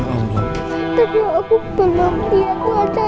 ya allah kasihan rina